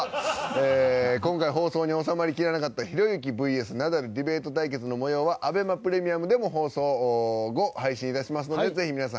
今回、放送に収まりきらなかったひろゆきＶＳナダルディベート対決の模様はＡＢＥＭＡプレミアムでも放送後、配信いたしますのでぜひ皆さん